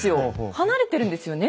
離れてるんですよね。